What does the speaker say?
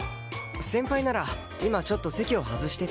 先輩なら今ちょっと席を外してて。